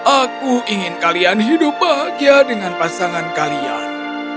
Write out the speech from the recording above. aku ingin kalian hidup bahagia dengan pasangan kalian